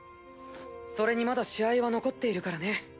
それにまだ試合は残っているからね。